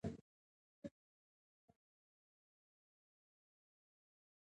هغه وویل د سپکو خوړو تولید لوی کاروبار رامنځته کړی دی.